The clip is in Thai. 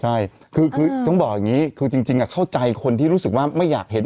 ใช่คือต้องบอกอย่างนี้คือจริงเข้าใจคนที่รู้สึกว่าไม่อยากเห็น